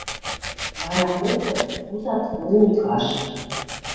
Вара коктын кузат проулкаш.